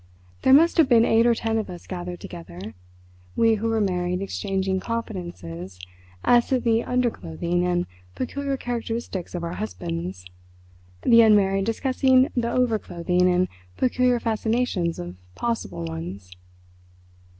There must have been eight or ten of us gathered together, we who were married exchanging confidences as to the underclothing and peculiar characteristics of our husbands, the unmarried discussing the over clothing and peculiar fascinations of Possible Ones.